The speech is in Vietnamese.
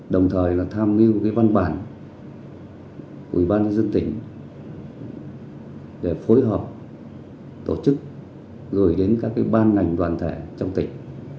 đồng thời là tham mưu cái văn bản ủy ban nhân dân tỉnh để phối hợp tổ chức gửi đến các cái ban ngành đoàn thể trong tỉnh